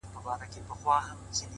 د هر چا په زړه کي اوسم بېګانه یم.!